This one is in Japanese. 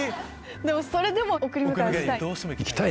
⁉それでも送り迎えしたい？